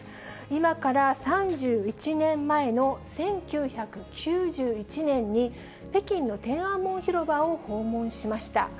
今から３１年前の１９９１年に、北京の天安門広場を訪問しました。